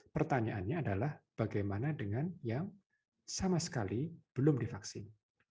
pertanyaannya adalah bagaimana dengan yang sama sekali belum divaksin